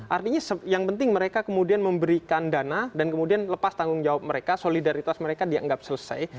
artinya yang penting mereka kemudian memberikan dana dan kemudian lepas tanggung jawab mereka solidaritas mereka dianggap selesai